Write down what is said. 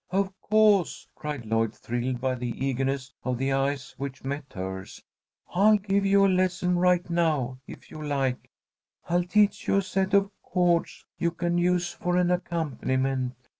"Of co'se!" cried Lloyd, thrilled by the eagerness of the eyes which met hers. "I'll give you a lesson right now, if you like. I'll teach you a set of chords you can use for an accompaniment.